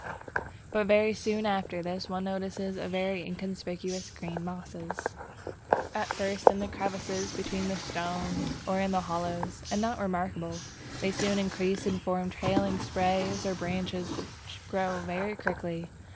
But very soon after this, one notices a few inconspicuous green mosses; at first in crevices between the stones or in hollows, and not remarkable, they soon increase and form trailing sprays or branches which grow very quickly.